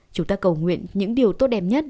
chúng ta cầu nguyện những điều tốt đẹp nhất